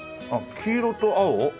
黄色と青。